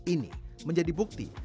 ini menjadi bukti